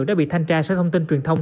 đã bị thanh tra sở thông tin truyền thông